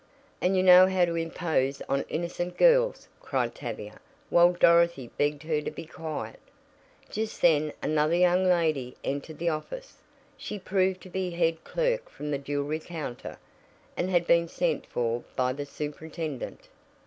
"And you know how to impose on innocent girls," cried Tavia, while Dorothy begged her to be quiet. Just then another young lady entered the office. She proved to be head clerk from the jewelry counter, and had been sent for by the superintendent.